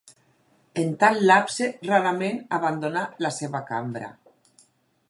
En tal lapse, rarament abandonà la seva cambra.